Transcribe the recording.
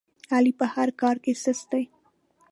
علي په هر کار کې سست دی.